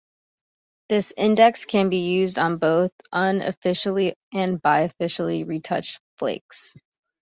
This index can be used on both unifacially and bifacially retouched flakes.